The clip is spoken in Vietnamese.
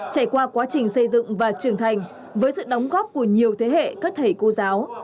trải qua quá trình xây dựng và trưởng thành với sự đóng góp của nhiều thế hệ các thầy cô giáo